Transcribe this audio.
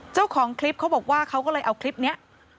เจ้าของคลิปเขาบอกว่าเขาก็เลยเอาคลิปนี้